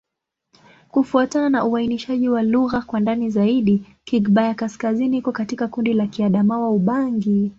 Kufuatana na uainishaji wa lugha kwa ndani zaidi, Kigbaya-Kaskazini iko katika kundi la Kiadamawa-Ubangi.